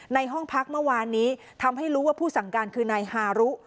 ในห้องพักเมื่อวานนี้ทำให้รู้ว่าผู้สั่งการคือนายฮารุ